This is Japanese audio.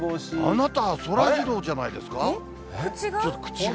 あなたはそらジローじゃない口が？